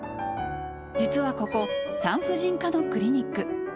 実はここ、産婦人科のクリニック。